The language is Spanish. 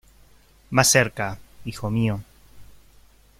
Más cerca, hijo mío.